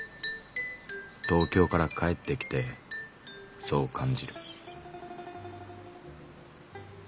東京から帰ってきてそう感じる」。